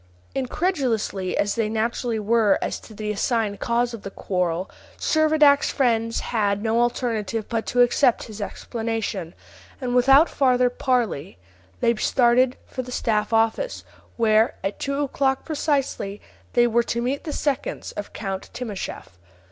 Incredulous as they naturally were as to the assigned cause of the quarrel, Servadac's friends had no alternative but to accept his explanation, and without farther parley they started for the staff office, where, at two o'clock precisely, they were to meet the seconds of Count Timascheff.